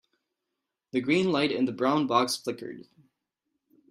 The green light in the brown box flickered.